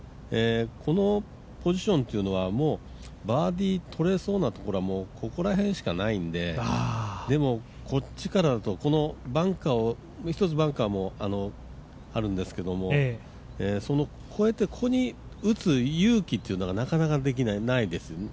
このポジションというのはもうバーディー取れそうなところはここら辺しかないんで、でも、こっちからだと、バンカーもあるんですけど、その越えて、ここに打つ勇気がなかなかないですよね。